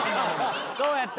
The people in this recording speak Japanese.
どうやった？